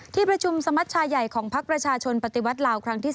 ที่ประชุมสมัชชาใหญ่ของพักประชาชนปฏิวัติลาวครั้งที่๓